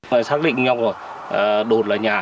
phải xác định nhau rồi đồn là nhà